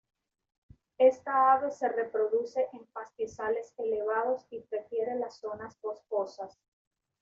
Esta ave se reproduce en pastizales elevados y prefiere las zonas boscosas.